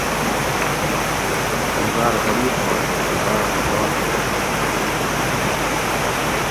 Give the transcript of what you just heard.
ائی باۤر غریب آش تھوکو باۤر خوشال ہُو